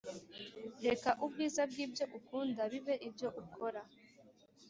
reka ubwiza bwibyo ukunda bibe ibyo ukora.